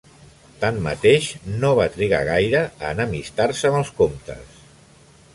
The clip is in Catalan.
Tanmateix, no va trigar gaire a enemistar-se amb els comtes.